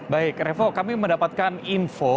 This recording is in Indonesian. baik revo kami mendapatkan info